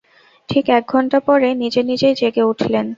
ঠিক এক ঘণ্টা পরে নিজেনিজেই জেগে উঠলেন।